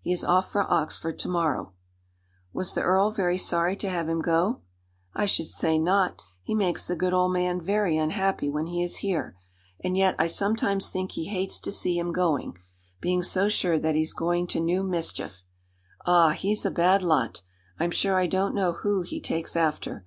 He is off for Oxford to morrow." "Was the earl very sorry to have him go?" "I should say not. He makes the good old man very unhappy when he is here; and yet I sometimes think he hates to see him going, being so sure that he's going to new mischief. Ah, he's a bad lot! I'm sure I don't know who he takes after.